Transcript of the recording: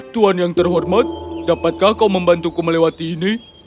tuhan yang terhormat dapatkah kau membantuku melewati ini